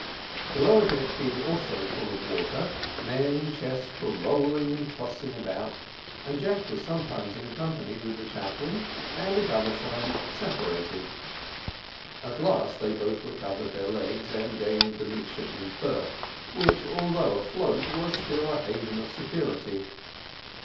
The lower deck being also full of water, men and chests were rolling and tossing about, and Jack was sometimes in company with the chaplain, and at other times separated; at last they both recovered their legs, and gained the midshipmen's berth, which, although afloat, was still a haven of security.